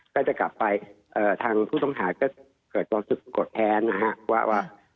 ก็จะกลับไปเอ่อทางผู้ต้องหาก็เกิดตัวติดกดแท้นะฮะว่าว่า